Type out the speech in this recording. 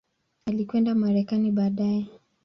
Alikwenda Marekani baadaye.